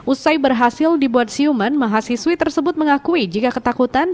usai berhasil dibuat siuman mahasiswi tersebut mengakui jika ketakutan